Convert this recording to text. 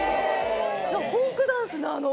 フォークダンスのあの。